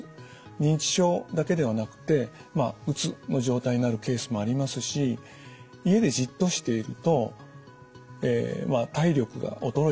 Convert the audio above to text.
認知症だけではなくてうつの状態になるケースもありますし家でじっとしていると体力が衰えてしまう。